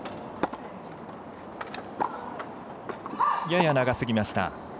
やや長すぎました。